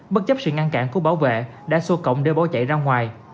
bất chấp sự ngăn cản của bảo vệ đã xô cổng để bỏ chạy ra ngoài